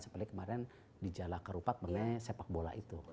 seperti kemarin di jalakarupak sebenarnya sepak bola itu